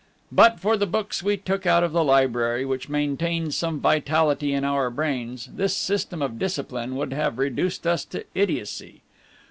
But for the books we took out of the library, which maintained some vitality in our brains, this system of discipline would have reduced us to idiotcy.